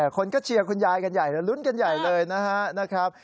คนก็เชียร์คุณยายกันใหญ่แล้วลุ้นกันใหญ่เลยนะครับ